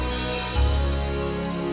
jatuh lagi lo